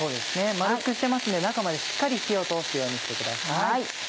丸くしてますので中までしっかり火を通すようにしてください。